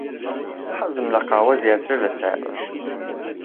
حەزم لە قاوە زیاترە لە چای ڕەش.